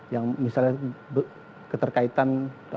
yang misalnya keterkaitan